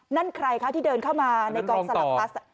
นั่นใครคะที่เดินเข้ามาในกองสลับพลัส